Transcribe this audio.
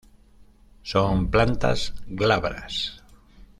Son plantas glabras.